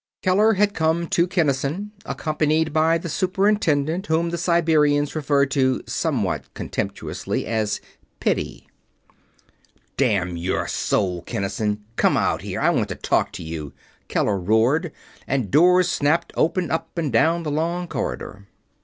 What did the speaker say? Keller had come to Kinnison, accompanied by the Superintendent whom the Siberians referred to, somewhat contemptuously, as "Piddy." "Damn your soul, Kinnison, come out here I want to talk to you!" Keller roared, and doors snapped open up and down the long corridor.